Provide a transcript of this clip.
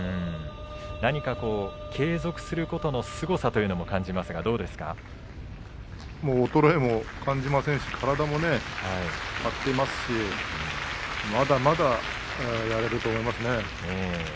何か継続することのすごさということも衰えも感じませんし体も張っていますしまだまだやれると思いますね。